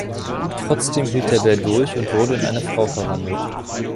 Trotzdem hielt der Bär durch und wurde in eine Frau verwandelt.